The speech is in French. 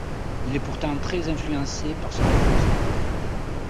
Il est pourtant très influencé par son épouse.